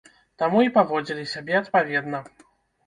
Таму і паводзілі сябе адпаведна.